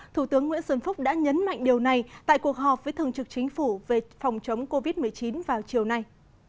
thủ tướng nguyễn xuân phúc đã nhấn mạnh điều này tại cuộc họp với thường trực chính phủ về phòng chống covid một mươi chín vào chiều nay